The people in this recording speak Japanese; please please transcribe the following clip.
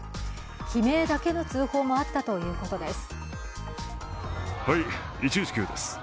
悲鳴だけの通報もあったということです。